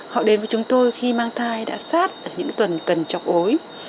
họ đến với chúng tôi khi mang thai đã sát ở những tuần cần chọc ối